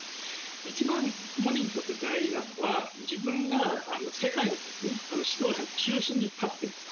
一番モディにとって大事なのは、自分が世界の指導者の中心に立ってると。